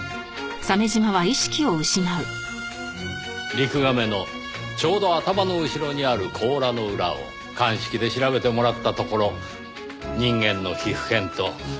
リクガメのちょうど頭の後ろにある甲羅の裏を鑑識で調べてもらったところ人間の皮膚片と血液が採取されました。